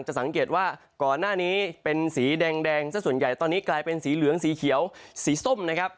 สังเกตว่าก่อนหน้านี้เป็นสีแดงสักส่วนใหญ่ตอนนี้กลายเป็นสีเหลืองสีเขียวสีส้มนะครับ